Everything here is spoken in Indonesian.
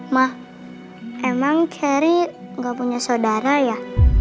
ma emang cherry gak punya saudara ya